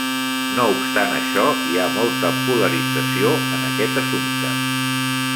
No obstant això, hi ha molta polarització en aquest assumpte.